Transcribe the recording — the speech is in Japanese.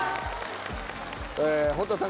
堀田さん